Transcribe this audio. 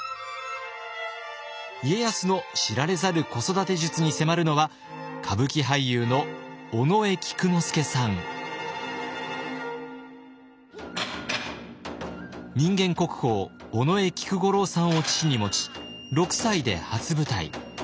家康の知られざる子育て術に迫るのは人間国宝尾上菊五郎さんを父に持ち６歳で初舞台。